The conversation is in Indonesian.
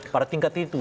pada tingkat itu